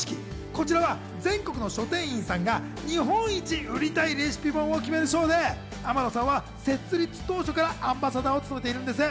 こちらは全国の書店員さんが日本一売りたいレシピ本を決める賞で天野さんは設立当初からアンバサダーを務めているんです。